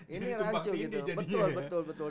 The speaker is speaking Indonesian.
ini rancu gitu betul betul